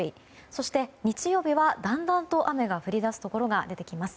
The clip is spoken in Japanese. そして、日曜日はだんだんと雨が降り出すところが出てきます。